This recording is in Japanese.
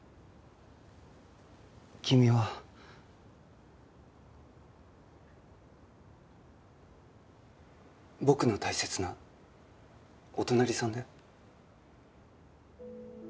君は僕の大切なお隣さんだよ。